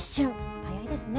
早いですね。